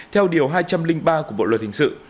theo điều hai trăm linh ba của bộ luật hình sự